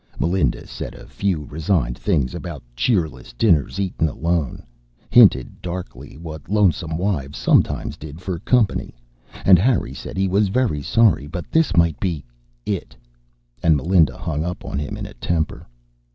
Melinda said a few resigned things about cheerless dinners eaten alone, hinted darkly what lonesome wives sometimes did for company, and Harry said he was very sorry, but this might be it, and Melinda hung up on him in a temper.